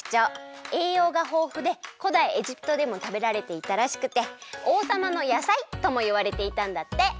えいようがほうふでこだいエジプトでもたべられていたらしくておうさまのやさいともいわれていたんだって！